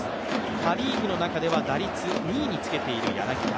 パリーグの中では打率２位につけている柳田。